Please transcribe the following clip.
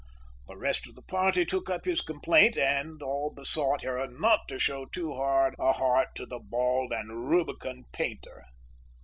The rest of the party took up his complaint, and all besought her not to show too hard a heart to the bald and rubicund painter.